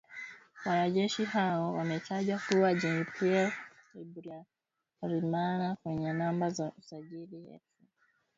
Wanajeshi hao wametajwa kuwa Jean Pierre Habyarimana mwenye namba za usajili elfu ishirini na saba mia saba sabini na tisa na John Muhindi Uwajeneza.